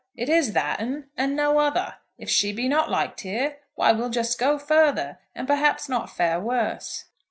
It is that 'un, and no other. If she be not liked here, why, we'll just go further, and perhaps not fare worse."